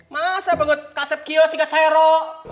masa bangun kasep kio si ga sero